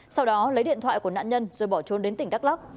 sau đó lấy điện thoại của nạn nhân rồi bỏ trốn đến tỉnh đắk lắc